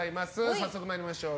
早速参りましょう。